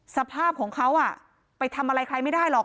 สภาพของเขาไปทำอะไรใครไม่ได้หรอก